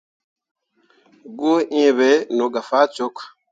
Goo ǝǝ ɓe no gah faa cok.